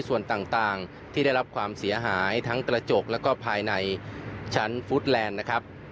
ส่วนต่างที่ได้รับความเสียหายทั้งกระจกแล้วก็ภายในชั้นฟู้ดแลนด์นะครับ